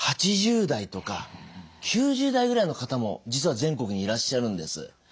８０代とか９０代ぐらいの方も実は全国にいらっしゃるんです。